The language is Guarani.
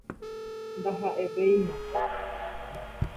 Ndaha'evéima